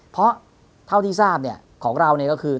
เพราะเท่าที่ทราบของเราก็คือ